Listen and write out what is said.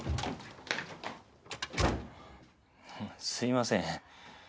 すいません。